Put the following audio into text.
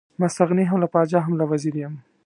مستغني هم له پاچا هم له وزیر یم.